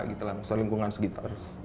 misalnya lingkungan sekitar